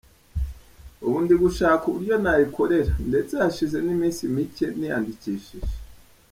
Ubu ndi gushakisha uburyo nayikorera, ndetse hashize n’iminsi mike niyandikishije.